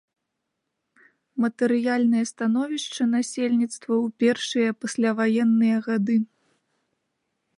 Матэрыяльнае становішча насельніцтва ў першыя пасляваенныя гады.